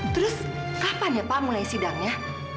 terus kapan ya pak mulai sidangnya